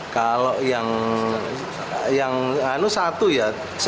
kalau yang yang itu satu ya